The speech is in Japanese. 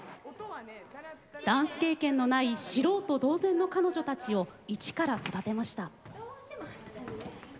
ダンス経験のない素人同然の彼女たちを一から育てました。